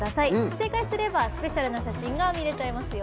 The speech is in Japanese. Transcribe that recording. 正解すればスペシャルな写真が見れちゃいますよ。